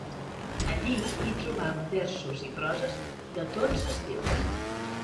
Allí hi trobava versos i proses de tots estils